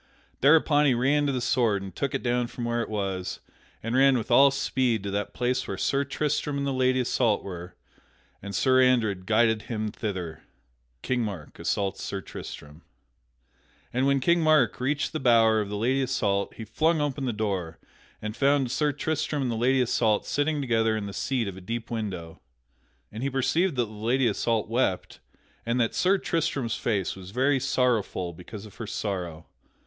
Thereupon he ran to the sword and took it down from where it was, and ran with all speed to that place where Sir Tristram and the Lady Isoult were, and Sir Andred guided him thither. [Sidenote: King Mark assaults Sir Tristram] And when King Mark reached the bower of the Lady Isoult he flung open the door and found Sir Tristram and the Lady Isoult sitting together in the seat of a deep window. And he perceived that the Lady Isoult wept and that Sir Tristram's face was very sorrowful because of her sorrow.